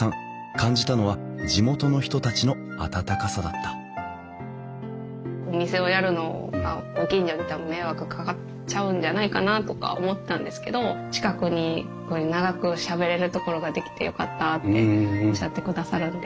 感じたのは地元の人たちの温かさだったお店をやるのはご近所に多分迷惑かかっちゃうんじゃないかなとか思ってたんですけど近くに長くしゃべれる所が出来てよかったっておっしゃってくださるんで。